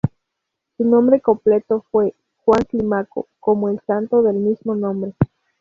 Su nombre completo fue Juan Clímaco, como el santo del mismo nombre.